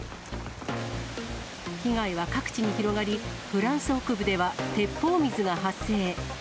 被害は各地に広がり、フランス北部では鉄砲水が発生。